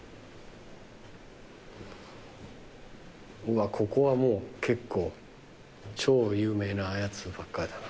うわここはもう結構超有名なやつばっかりだな。